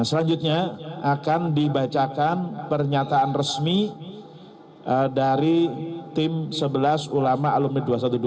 selanjutnya akan dibacakan pernyataan resmi dari tim sebelas ulama alumni dua ratus dua belas